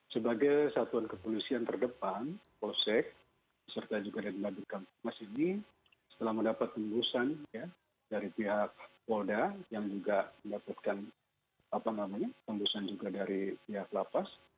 sebagai satuan kepolisian terdepan posik serta juga babit kamtip mas ini setelah mendapat tembusan ya dari pihak oda yang juga mendapatkan apa namanya tembusan juga dari pihak lapas